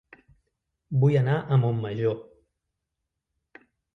Vull anar a Montmajor